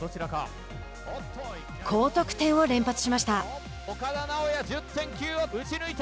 高得点を連発しました。